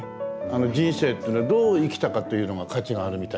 人生っていうのはどう生きたかというのが価値があるみたい。